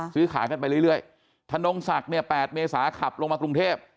ซื้อขายกันไปเรื่อยธนงศักดิ์เนี่ย๘เมษาขับลงมากรุงเทพ